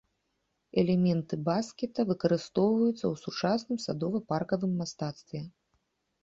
Элементы баскета выкарыстоўваюцца ў сучасным садова-паркавым мастацтве.